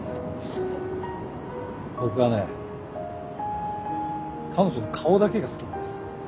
僕はね彼女の顔だけが好きなんです。